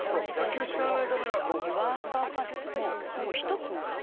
野球を知らない方が興奮してるわけですよ。